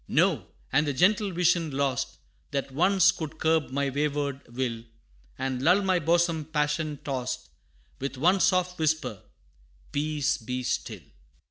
No, and the gentle vision, lost, That once could curb my wayward will, And lull my bosom passion tossed, With one soft whisper, "Peace, be still!"